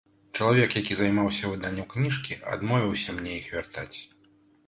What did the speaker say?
Чалавек, які займаўся выданнем кніжкі, адмовіўся мне іх вяртаць.